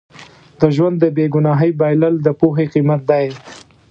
د ژوند د بې ګناهۍ بایلل د پوهې قیمت دی.